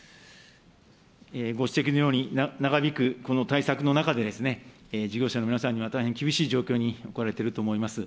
ご指摘のように、長引くこの対策の中で、事業者の皆さんには大変厳しい状況に置かれていると思います。